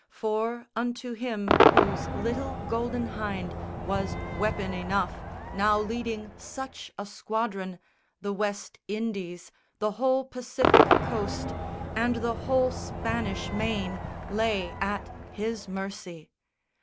For unto him whose little Golden Hynde Was weapon enough, now leading such a squadron, The West Indies, the whole Pacific coast, And the whole Spanish Main, lay at his mercy.